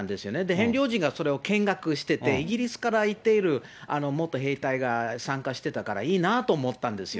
ヘンリー王子がそれを見学してて、イギリスから行っている元兵隊が参加してたから、いいなと思ったんですよ。